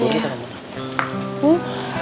ini buku kita